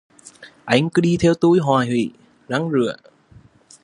Anh cứ theo tui hoài hủy, răng rứa